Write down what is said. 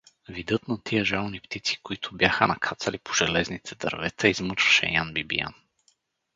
Видът на тия жални птици, които бяха накацали по железните дървета, измъчваше Ян Бибиян.